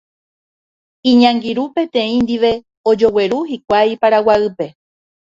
Iñangirũ peteĩ ndive ojogueru hikuái Paraguaýpe.